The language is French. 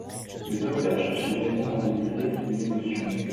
Le docteur cherchait vainement à déguiser son émotion.